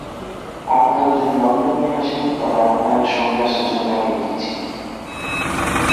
আপনারা যদি লণ্ডন হয়ে আসেন, তবে আপনার সঙ্গে আসার জন্য তাকে লিখেছি।